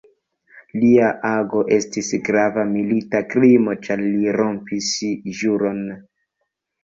Lia ago estis grava milita krimo, ĉar li rompis ĵuron.